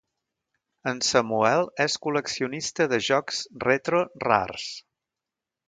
El Samuel és col·leccionista de jocs retro rars.